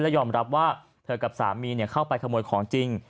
ยอมรับว่าเธอกับสามีเข้าไปขโมยของจริง